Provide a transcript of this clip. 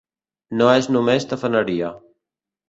No és només tafaneria.